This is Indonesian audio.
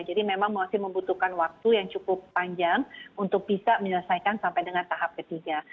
jadi memang masih membutuhkan waktu yang cukup panjang untuk bisa menyelesaikan sampai dengan tahap ketiga